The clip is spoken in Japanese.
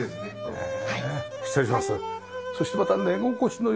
へえ。